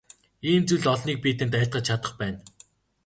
Ийм зүйл олныг би танд айлтгаж чадах байна.